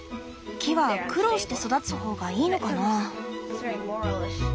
木は苦労して育つ方がいいのかな？